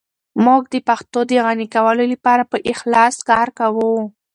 موږ د پښتو د غني کولو لپاره په اخلاص کار کوو.